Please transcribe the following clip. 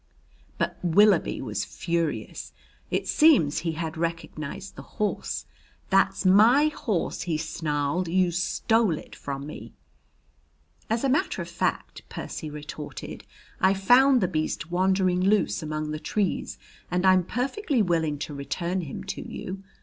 But Willoughby was furious. It seems he had recognized the horse. "That's my horse," he snarled. "You stole it from me." "As a matter of fact," Percy retorted, "I found the beast wandering loose among the trees and I'm perfectly willing to return him to you.